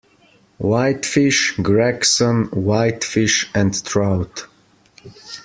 Whitefish, Gregson, whitefish and trout.